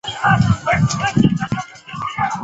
他具有仰光大学的学士学位。